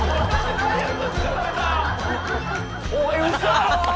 おい嘘やろ？